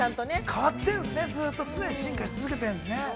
◆変わってるんですね、常に進化し続けてるんですね。